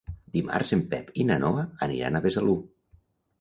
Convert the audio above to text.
Dimarts en Pep i na Noa aniran a Besalú.